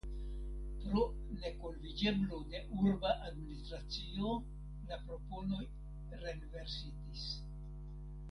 Pro nekonviĝeblo de urba administracio la proponoj renversitis.